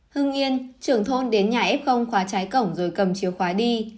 hương yên trưởng thôn đến nhà f khóa trái cổng rồi cầm chiếu khóa đi